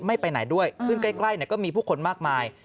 ไม่ไปไหนด้วยซึ่งใกล้ก็มีผู้คนมากมาย